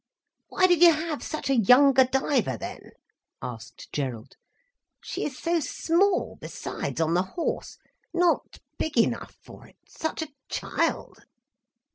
"Why did you have such a young Godiva then?" asked Gerald. "She is so small, besides, on the horse—not big enough for it—such a child."